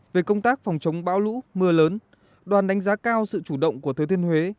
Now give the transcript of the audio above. về công tác phòng chống bão lũ mưa lớn đoàn đánh giá cao sự chủ động của thứ thiên huế